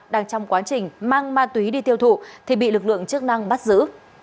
đang trong quá trình mang ma túy đi tiêu thụ thì bị lực lượng chức năng bắt giữ